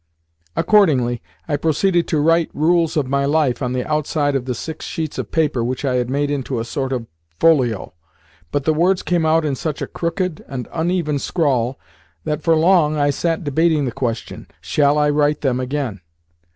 Accordingly, I proceeded to write "Rules of My Life" on the outside of the six sheets of paper which I had made into a sort of folio, but the words came out in such a crooked and uneven scrawl that for long I sat debating the question, "Shall I write them again?"